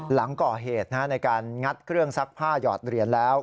หลังก่อเหตุในการงัดเครื่องซักผ้าหยอดเหรียญแล้ว